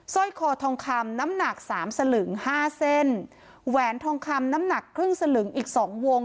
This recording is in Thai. ร้อยคอทองคำน้ำหนักสามสลึงห้าเส้นแหวนทองคำน้ำหนักครึ่งสลึงอีกสองวง